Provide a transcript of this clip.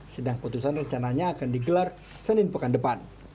sidang putusan rencananya akan digelar senin pekan depan